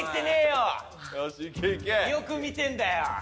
よく見てんだよ。